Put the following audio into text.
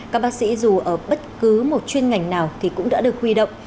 các bác sĩ dù ở bất cứ một chuyên ngành nào thì cũng đã được huy động